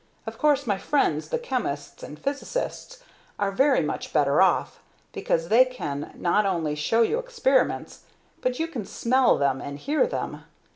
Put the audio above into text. Of course my friends the chemists and physicists are very much better off, because they can not only show you experiments, but you can smell them and hear them!